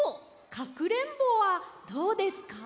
かくれんぼはどうですか？